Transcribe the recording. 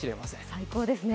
最高ですね。